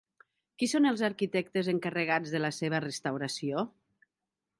Qui són els arquitectes encarregats de la seva restauració?